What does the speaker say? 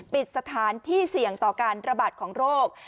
ปิดสถานที่เสี่ยงต่อการระบาดของโรค